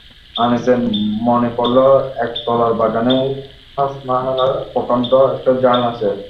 আনিসের মনে পড়ল একতলার বাগানে হাস্নাহেনার প্রকাণ্ড একটা ঝাড় আছে।